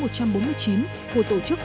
của tổ chức đa phương